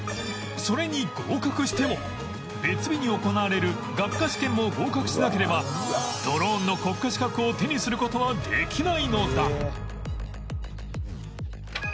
それに合格しても別日に行われる学科試験も合格しなければドローンの国家資格を手にする事はできないのだ